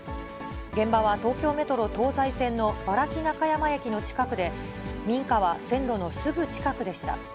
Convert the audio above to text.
現場は東京メトロ東西線の原木中山駅の近くで、民家は線路のすぐ近くでした。